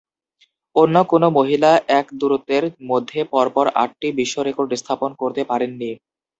অন্য কোন মহিলা এক দূরত্বের মধ্যে পরপর আটটি বিশ্ব রেকর্ড স্থাপন করতে পারেননি।